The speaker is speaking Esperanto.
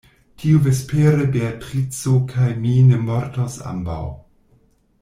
Tiuvespere Beatrico kaj mi ni mortos ambaŭ.